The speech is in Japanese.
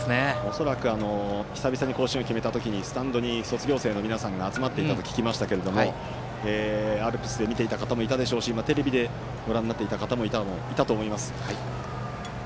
恐らく久々に甲子園を決めた時にスタンドに卒業生の方々が集まっていたと聞きましたがアルプスで見ていた方もいたでしょうしテレビでご覧になっていた方もいたと思います。